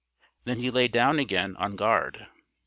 Then he lay down again on guard.